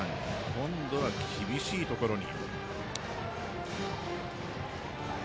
今度は厳しいところに。